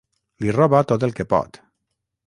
Li roba tot el que pot.